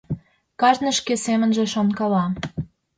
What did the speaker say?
Кажне шке семынже шонкала...